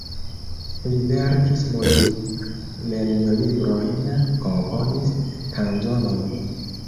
Li verkis muzik-lernolibrojn, komponis kanzonojn.